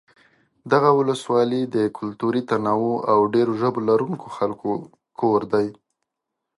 دغه ولسوالۍ د کلتوري تنوع او ډېر ژبو لرونکو خلکو کور دی.